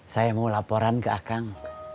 saya mau laporan ke akang